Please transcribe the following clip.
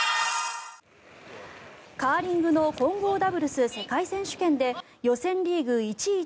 カーリングの混合ダブルス世界選手権で予選リーグ１位